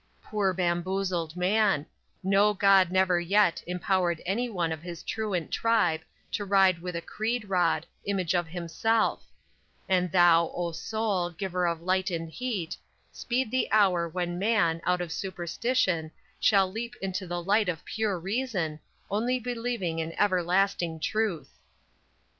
Poor bamboozled man; know God never yet Empowered any one of his truant tribe To ride with a creed rod, image of Himself; And thou, oh Sol, giver of light and heat, Speed the hour when man, out of superstition Shall leap into the light of pure reason, Only believing in everlasting Truth!